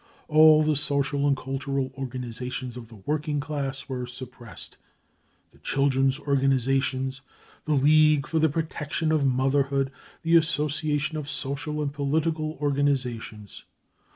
All the social and cultural organisations of the working class were suppressed : the children's organisations, the League for the Protection of Motherhood, the Association of Social and Political Organisations.